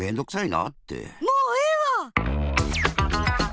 もうええわ！